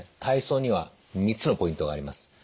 体操には３つのポイントがあります。